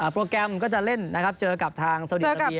โปรแกรมก็จะเล่นนะครับเจอกับทางซาวดีอาราเบีย